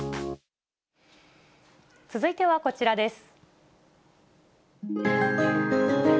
続いてはこちらです。